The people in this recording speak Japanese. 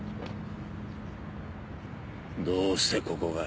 どうしてここが！？